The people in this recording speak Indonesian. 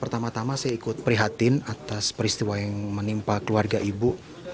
pertama tama saya ikut prihatin atas peristiwa yang menimpa keluarga ibu